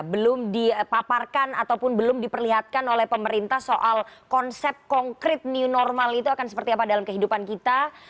belum dipaparkan ataupun belum diperlihatkan oleh pemerintah soal konsep konkret new normal itu akan seperti apa dalam kehidupan kita